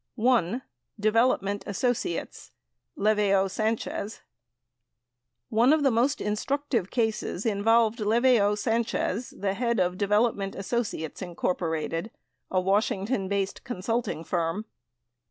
( 1 ) Development Associates {Leveo Sanchez) One of the most instructive cases involved Leveo Sanchez, the head of Development Associates, Inc., a Washington based consulting firm.